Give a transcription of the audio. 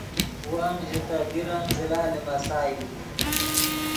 ون ژے تے دیرن زلہ لیمَسائی